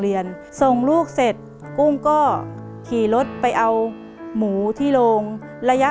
เปลี่ยนเพลงเพลงเก่งของคุณและข้ามผิดได้๑คำ